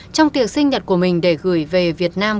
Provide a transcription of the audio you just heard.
trong tiệc sinh nhật của mình để gửi về việt nam